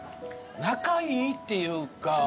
仲いいっていうか。